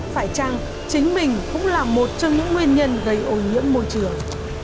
phải chăng chính mình cũng là một trong những nguyên nhân gây ổn nhẫn môi trường